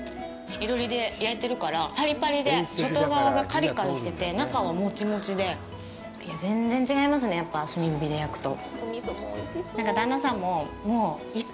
囲炉裏で焼いてるからパリパリで、外側がカリカリしてて、中はモチモチで、全然違いますね、やっぱ炭火で焼くと。